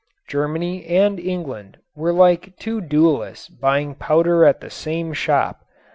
Germany and England were like two duelists buying powder at the same shop.